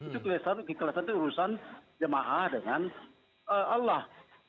itu keikhlasan itu urusan jemaah dengan allah